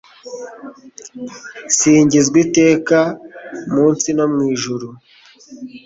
singizwa iteka mu nsi no mu ijuru